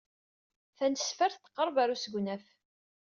Tanesfart teqreb ɣer usegnaf.